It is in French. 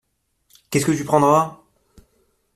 Qu’est-ce que tu prendras ?